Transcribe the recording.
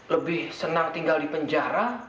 lebih senang tinggal di penjara